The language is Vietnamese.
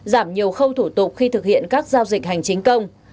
giảm nhiều khâu thủ tục khi thực hiện các giao dịch hành chính công